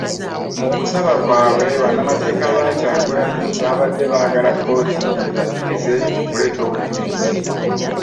Mu kusaba kwabwe, bannamateeka ba Kyagulanyi babadde baagala kkooti ebakkirize okuleeta obujulizi